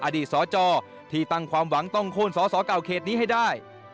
อดีตสจที่ตั้งความหวังต้องโค้นสอสอเก่าเขตนี้ให้ได้